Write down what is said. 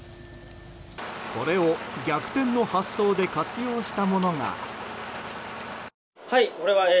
これを逆転の発想で活用したものが。